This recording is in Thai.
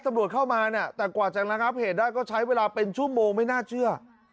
ตำรวจเข้ามาเนี่ยแต่กว่าจะระงับเหตุได้ก็ใช้เวลาเป็นชั่วโมงไม่น่าเชื่อ